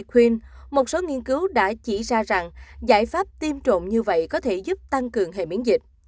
khuyên một số nghiên cứu đã chỉ ra rằng giải pháp tiêm trộm như vậy có thể giúp tăng cường hệ miễn dịch